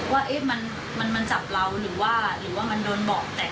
ว่าเอ๊ะมันจับเราหรือว่ามันโดนบอกแตก